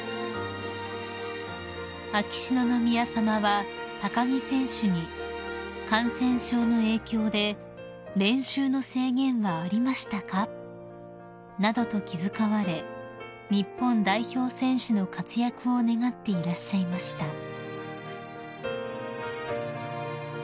［秋篠宮さまは木選手に「感染症の影響で練習の制限はありましたか？」などと気遣われ日本代表選手の活躍を願っていらっしゃいました］